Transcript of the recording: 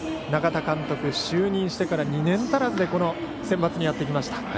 永田監督は就任してから２年足らずでセンバツにやってきました。